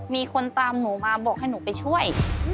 มีคนตามหนูมาบอกให้หนูไปช่วย